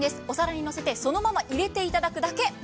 お皿にのせてそのまま入れていただくだけ。